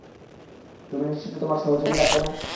তুমি নিশ্চিত তোমার সহযোগী লাগবে না?